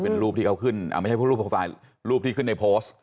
นี่เป็นรูปที่เขาขึ้นไม่ใช่รูปโปรไฟล์รูปที่ขึ้นในโพสต์